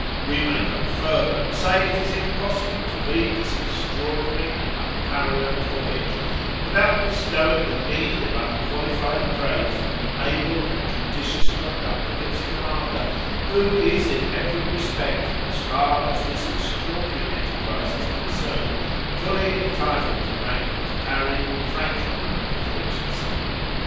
We may go further and say, it is impossible to read this extraordinary and unparalleled voyage, without bestowing the meed of unqualified praise on the able and judicious conduct of its commander, who is in every respect, as far as this extraordinary enterprise is concerned, fully entitled to rank with Parry, Franklin, and Richardson.